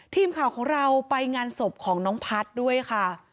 ทีมข่าวของเราไปงานศพของน้องพัฒน์ด้วยค่ะ